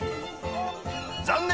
残念！